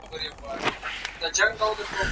زه له پرون راهيسې کار کوم!؟